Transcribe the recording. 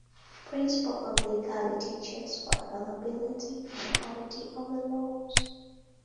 Principle of legality checks for availability and quality of the laws.